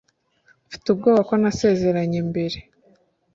Mfite ubwoba ko nasezeranye mbere.